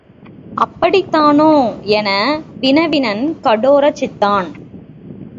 அப்படித்தானா? என வினவினன் கடோர சித்தன்.